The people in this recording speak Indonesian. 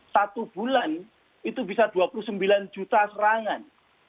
satu bulan itu bisa dua puluh sembilan juta serangan